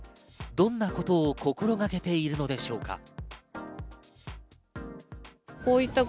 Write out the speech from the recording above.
どんなことを心がけているのでしょうか。